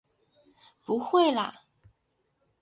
不会啦！